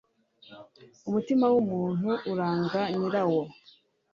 umutima w'umuntu uranga nyirawo